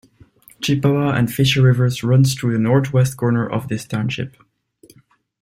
Chippewa and Fisher Rivers runs through the NorthWest corner of this Township.